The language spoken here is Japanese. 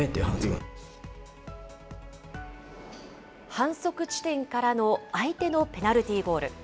反則地点からの相手のペナルティーゴール。